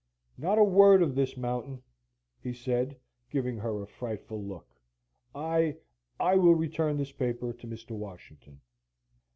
"Not a word of this, Mountain," he said, giving her a frightful look. "I I will return this paper to Mr. Washington."